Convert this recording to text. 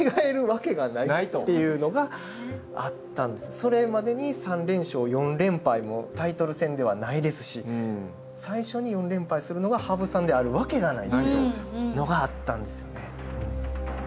それまでに３連勝４連敗もタイトル戦ではないですし最初に４連敗するのが羽生さんであるわけがないというのがあったんですよね。